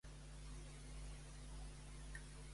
Aquesta accedeix a fer-ho ella?